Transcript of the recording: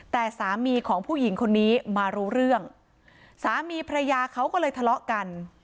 แต่สามีของผู้หญิงคนนี้มารู้เรื่องสามีภรรยาเขาก็เลยทะเลาะกัน